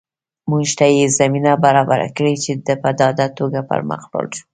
موږ ته یې زمینه برابره کړې چې په ډاډه توګه پر مخ لاړ شو